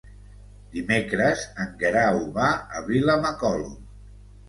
Dimecres en Guerau va a Vilamacolum.